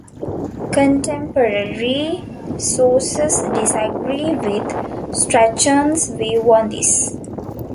Contemporary sources disagree with Strachan's view on this.